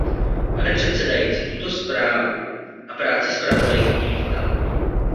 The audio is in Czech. Pane předsedající, tuto zprávu a práci zpravodajkyně vítám.